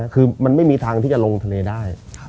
คือมันไม่มีทางที่จะลงทะเลได้